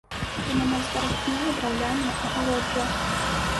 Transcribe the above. Там амаль спарахнела драўляная агароджа.